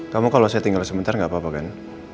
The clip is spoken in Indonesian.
kamu kalau saya tinggal sebentar enggak apa apa kan